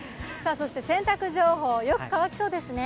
そして洗濯情報、よく乾きそうですね。